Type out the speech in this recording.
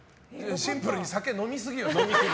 シンプルに酒飲みすぎよ。